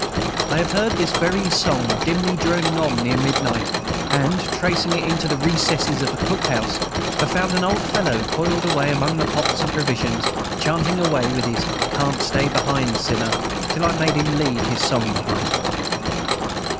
I have heard this very song dimly droning on near midnight, and, tracing it into the recesses of a cook house, have found an old fellow coiled away among the pots and provisions, chanting away with his "Can't stay behind, sinner," till I made him leave his song behind.